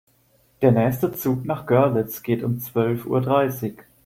Der nächste Zug nach Görlitz geht um zwölf Uhr dreißig